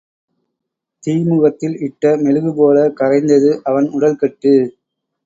தீமுகத்தில் இட்ட மெழுகு போலக் கரைந்தது அவன் உடல்கட்டு.